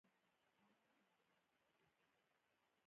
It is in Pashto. د غړي په توګه د محمد یوسف کارګر ټاکل کېدل